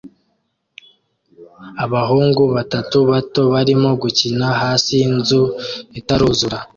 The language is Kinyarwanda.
Abahungu batatu bato barimo gukina hasi yinzu itaruzura